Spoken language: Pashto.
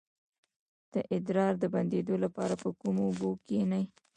د ادرار د بندیدو لپاره په ګرمو اوبو کینئ